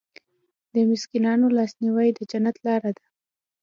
د مسکینانو لاسنیوی د جنت لاره ده.